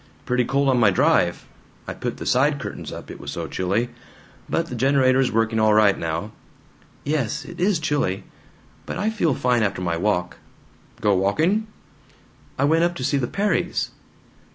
Pretty cold on my drive. I put the side curtains up, it was so chilly. But the generator is working all right now." "Yes. It is chilly. But I feel fine after my walk." "Go walking?" "I went up to see the Perrys."